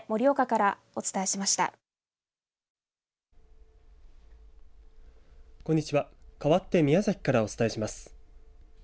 かわって宮崎からお伝えします。